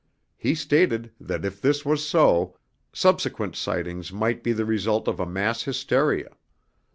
He stated that if this was so, subsequent sightings might be the result of a mass hysteria.